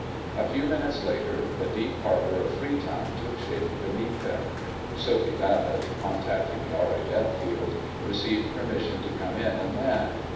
A few minutes later the deep harbor of Freetown took shape beneath them. Soapy Babbitt, contacting the RAF field, received permission to come in and land.